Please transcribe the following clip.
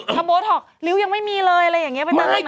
ทำโบท็อกริ้วยังไม่มีเลยอะไรอย่างนี้ไปนั่งไหน